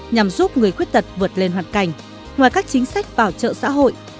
nhằm giúp người khuyết tật vượt lên hoàn cảnh ngoài các chính sách bảo trợ xã hội